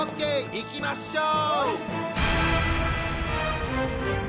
いきましょう！